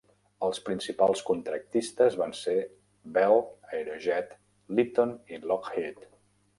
Els principals contractistes van ser Bell, Aerojet, Litton i Lockheed.